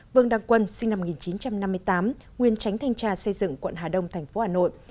vương đăng quân sinh năm một nghìn chín trăm năm mươi tám nguyễn tránh thanh trà xây dựng quận hà đông tp hà nội